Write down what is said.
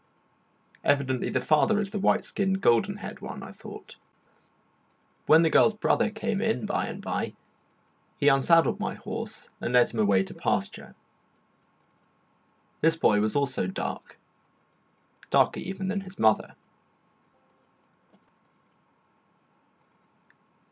Evidently the father is the white skinned, golden haired one, I thought. When the girl's brother came in, by and by, he unsaddled my horse and led him away to pasture; this boy was also dark, darker even than his mother.